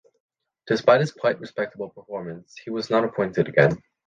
Despite his quite respectable performance, he was not appointed again.